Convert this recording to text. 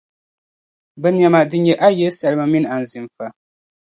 Bɛ nɛma din nyɛ ayili: Salima minii anzinfa.